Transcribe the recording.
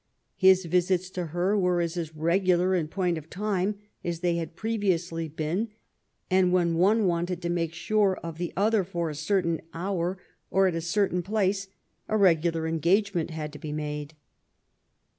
His visits to her were as irregular in point of time as they had previously been, and when one wanted to make sure of the other for a certain hour or at a certain place, a regular engagement had to be made.